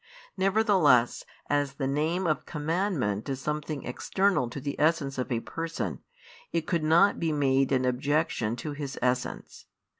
Nevertheless, as the name of commandment is something external to the essence of a person, it could not be made an objection to His Essence.